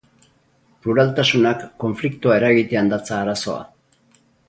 Pluraltasunak konfliktoa eragitean datza arazoa.